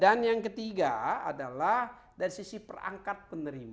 dan yang ketiga adalah dari sisi perangkat penerima